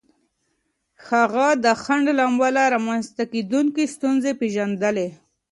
هغه د ځنډ له امله رامنځته کېدونکې ستونزې پېژندلې.